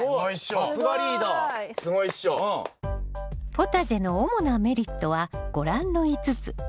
ポタジェの主なメリットはご覧の５つ。